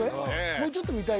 もうちょっと見たい？